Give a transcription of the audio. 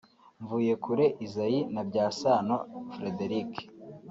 Mvuyekure Isaie na Byasano Frederic